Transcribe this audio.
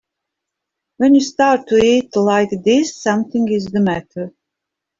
When you start to eat like this something is the matter.